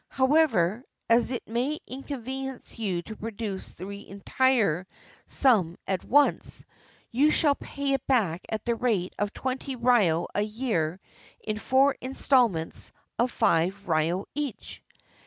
However, as it may inconvenience you to produce the entire sum at once, you shall pay it back at the rate of twenty ryo a year in four installments of five ryo each."